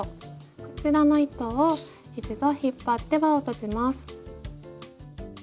こちらの糸を一度引っ張って輪を閉じます。